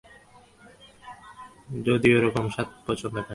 যদি ওরকম স্বাদ পছন্দ করেন।